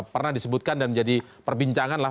pernah disebutkan dan menjadi perbincangan lah